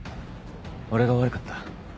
俺が悪かった。